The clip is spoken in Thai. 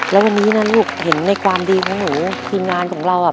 แล้ววันนี้นะลูกเห็นในความดีของหนูทีมงานของเราอ่ะ